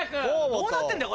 どうなってんだよ